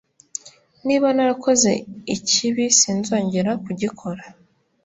niba narakoze ikibi sinzongera kugikora’